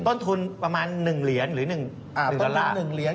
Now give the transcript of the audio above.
ต้นทุนประมาณหนึ่งเหรียญหรือหนึ่งอ่าต้นทุนหนึ่งเหรียญ